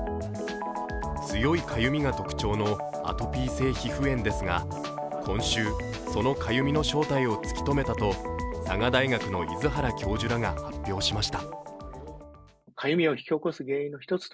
強いかゆみが特徴のアトピー性皮膚炎ですが、今週、そのかゆみの正体を突き止めたと佐賀大学の出原教授らが発表しました。